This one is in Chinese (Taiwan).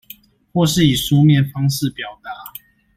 或是以書面方式表達